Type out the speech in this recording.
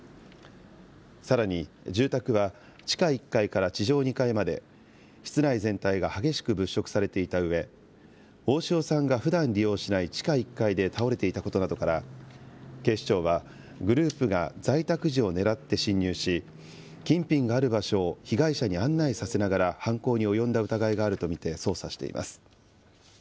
さらに住宅は、地下１階から地上２階まで室内全体が激しく物色されていたうえ、大塩さんがふだん利用しない地下１階で倒れていたことなどから、警視庁はグループが在宅時をねらって侵入し、金品がある場所を被害者に案内させながら犯行に及んだ疑いがあると見て捜査しています。